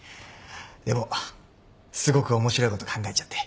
でもすごく面白いこと考えちゃって。